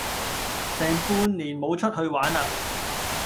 成半年冇出去玩喇